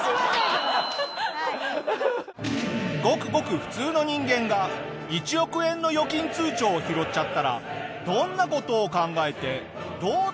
ごくごく普通の人間が１億円の預金通帳を拾っちゃったらどんな事を考えてどうテンパるのか？